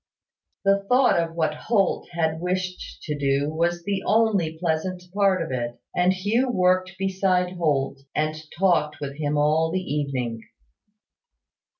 The thought of what Holt had wished to do was the only pleasant part of it; and Hugh worked beside Holt, and talked with him all the evening.